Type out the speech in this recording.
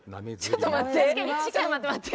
ちょっと待って待って。